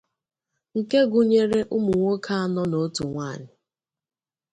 nke gụnyere ụmụnwoke anọ na otu nwaanyị